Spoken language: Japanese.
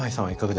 はい。